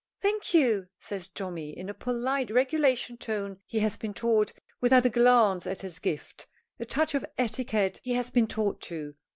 "Thank you," says Tommy, in the polite regulation tone he has been taught, without a glance at his gift a touch of etiquette he has been taught, too.